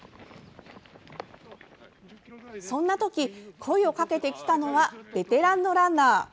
そんなとき、声をかけてきたのはベテランのランナー。